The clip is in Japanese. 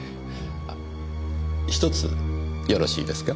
あっ１つよろしいですか？